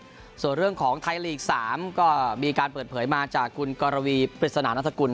จะมีค่อไทยลีกส์๓ก็มีการเปิดเผยมาจากคุณกรวีรัชนานรัฐกุล